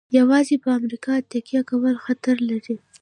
یوازې په امریکا تکیه کول خطر لري.